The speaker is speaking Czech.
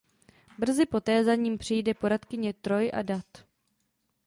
Brzy poté za ním přijde poradkyně Troi a Dat.